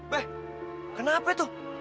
weh kenapa itu